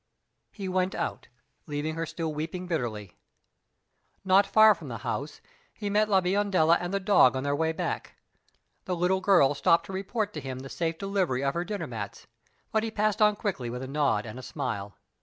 He went out, leaving her still weeping bitterly. Not far from the house, he met La Biondella and the dog on their way back. The little girl stopped to report to him the safe delivery of her dinner mats; but he passed on quickly with a nod and a smile.